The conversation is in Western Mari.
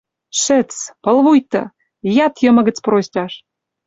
«Шӹц, пылвуйты! Яд йымы гӹц простяш